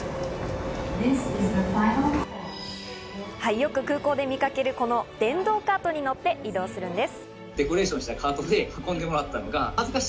よく空港で見かける電動カートに乗って移動するんです。